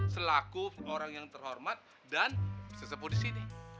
selaku orang yang terhormat dan disini